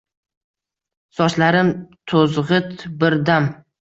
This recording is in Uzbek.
Sochlarim to’zg’it bir dam